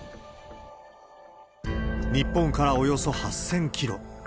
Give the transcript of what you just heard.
日本からおよそ８０００キロ。